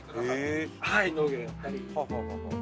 はい農業やったり。